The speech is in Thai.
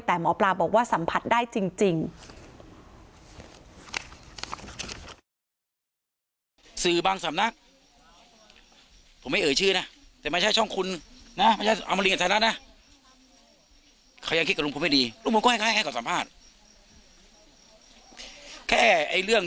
แต่หมอปลาบอกว่าสัมผัสได้จริง